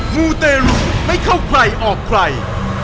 มูเตรุไม่เข้าใครออกใคร